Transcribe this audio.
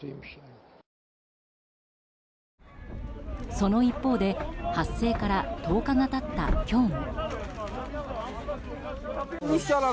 その一方で発生から１０日が経った今日も。